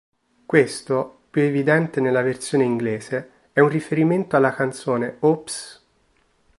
Questo, più evidente nella versione inglese, è un riferimento alla canzone "Oops!...